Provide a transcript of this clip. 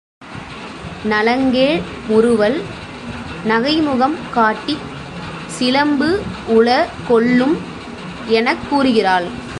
நலங்கேழ் முறுவல் நகைமுகம் காட்டிச் சிலம்பு உள கொள்ளும் எனக் கூறுகிறாள்.